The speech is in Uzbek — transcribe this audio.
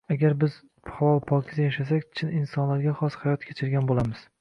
Agar biz halol-pokiza yashasak, chin insonlarga xos hayot kechirgan bo‘lamiz.